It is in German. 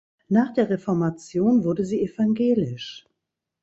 Nach der Reformation wurde sie evangelisch.